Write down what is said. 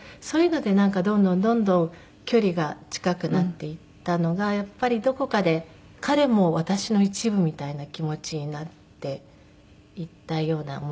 そういうのでどんどんどんどん距離が近くなっていったのがやっぱりどこかで彼も私の一部みたいな気持ちになっていったような。